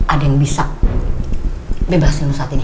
ada yang bisa bebasin lu saat ini